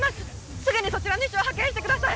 すぐにそちらの医師を派遣してください。